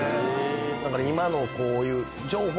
だから今のこういう。